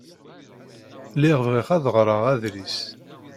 Lliɣ bɣiɣ ad ɣreɣ adlis.